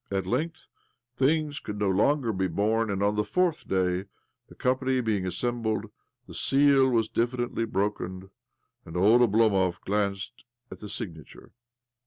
At length things could no longer be borne, and on the fourth day, the company being assembled, the seal was diffidently broken, and old Oblomov glanced at the signature